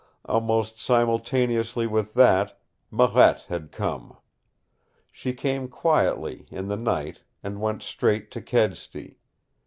Almost simultaneously with that, Marette had come. She came quietly, in the night, and went straight to Kedsty.